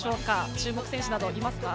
注目選手などいますか？